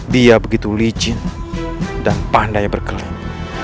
dia begitu licin dan pandai berkeliling